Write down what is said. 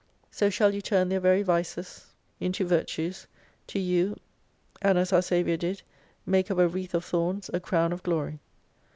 So shall you turn their very vices, into 63 virtues, to you, and, as our Saviour did, make of a wreath of thorns a crown of glory.